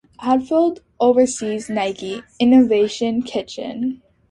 Hatfield oversees Nike's "Innovation Kitchen".